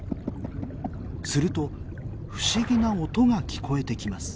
すると不思議な音が聞こえてきます。